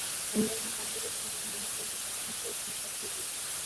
অন্যান্য মন্দিরের সংগে তুলনা করলে এর "শিখর" ক্ষুদ্রাকৃতির।